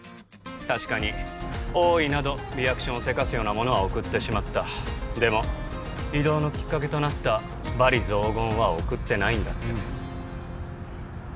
確かに「おい」などリアクションをせかすようなものは送ってしまったでも異動のきっかけとなった罵詈雑言は送ってないんだってえっ？